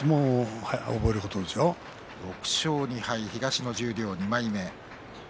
６勝２敗、東の十両２枚目。